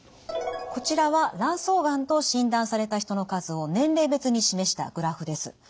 こちらは卵巣がんと診断された人の数を年齢別に示したグラフです。